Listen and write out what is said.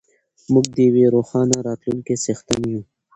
موږ د یوې روښانه راتلونکې څښتن یو.